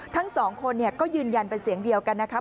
ทั้งสองคนก็ยืนยันเป็นเสียงเดียวกันนะครับ